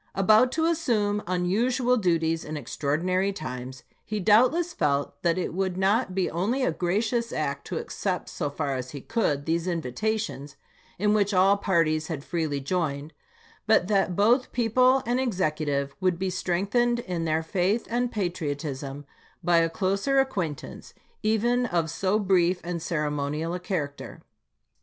About to assume unusual duties in extraor dinary times, he doubtless felt that it would not only be a gracious act to accept, so far as he could, these invitations, in which all parties had freely joined, but that both people and Executive would be strengthened in their faith and patriotism by a closer acquaintance, even of so brief and ceremonial a character.